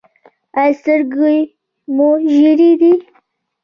ایا سترګې مو ژیړې دي؟